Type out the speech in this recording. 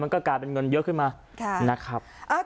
ก็กลายเป็นเงินเยอะขึ้นมานะครับ